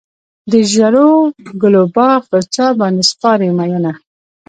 د ژړو ګلو باغ پر چا باندې سپارې مینه.